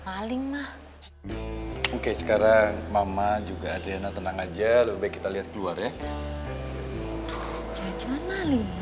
paling mah oke sekarang mama juga ada tenang aja lebih kita lihat keluar ya